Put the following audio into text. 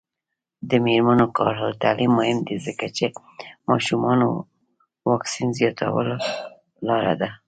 د میرمنو کار او تعلیم مهم دی ځکه چې ماشومانو واکسین زیاتولو لاره ده.